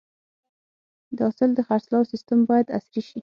د حاصل د خرڅلاو سیستم باید عصري شي.